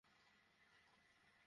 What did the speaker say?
দিদি, এক মিনিট!